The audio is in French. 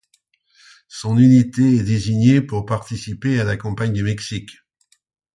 Son unité est désignée pour participer à la campagne du Mexique.